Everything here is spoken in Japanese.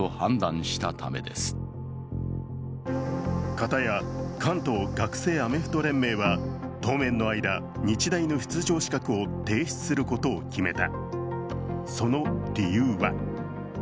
かたや関東学生アメフト連盟は当面の間日大の出場資格を停止することを決めた。